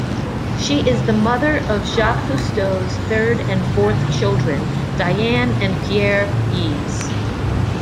She is the mother of Jacques Cousteau's third and fourth children, Diane and Pierre-Yves.